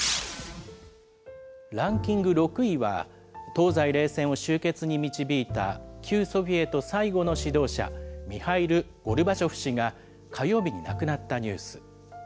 ランキング６位は、東西冷戦を終結に導いた旧ソビエト最後の指導者、ミハイル・ゴルバチョフ氏が、火曜日に亡くなったニュース。